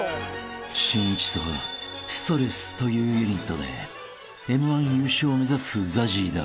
［しんいちとストレスというユニットでＭ−１優勝を目指すＺＡＺＹだ